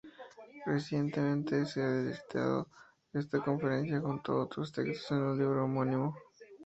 Recientemente se ha reeditado esta conferencia junto a otros textos en un libro homónimo.